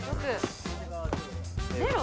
ゼロ？